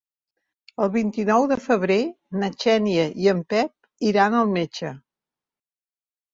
El vint-i-nou de febrer na Xènia i en Pep iran al metge.